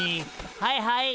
はいはい。